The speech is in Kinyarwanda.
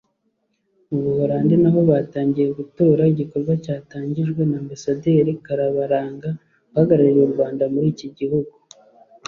Mu Buholandi naho batangiye gutora igikorwa cyatangijwe na Ambasaderi Karabaranga uhagarariye u Rwanda muri iki gihugu